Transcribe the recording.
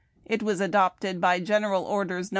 It was adopted by General Orders No.